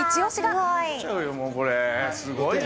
すごいね。